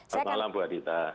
selamat malam ibu adhita